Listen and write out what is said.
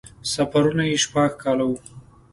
سفرونه یې شپږ کاله وو.